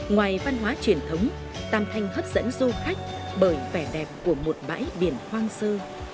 ngoài văn hóa truyền thống tam thanh hấp dẫn du khách bởi vẻ đẹp của một bãi biển hoang sơ